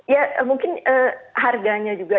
ya mungkin harganya juga